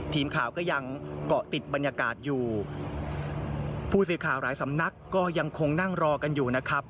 ทีมข่าวก็ยังเกาะติดบรรยากาศอยู่ผู้สื่อข่าวหลายสำนักก็ยังคงนั่งรอกันอยู่นะครับ